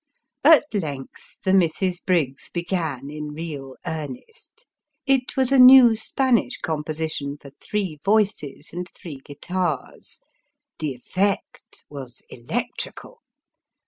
At length, the Misses Briggs began in real earnest. It was a new Spanish composition, for three voices and three guitars. The effect was electrical.